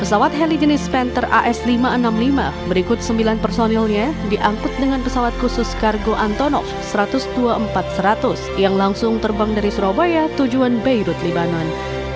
pesawat heli jenis panther as lima ratus enam puluh lima berikut sembilan personilnya diangkut dengan pesawat khusus kargo antonov satu ratus dua puluh empat seratus yang langsung terbang dari surabaya tujuan beirut libanon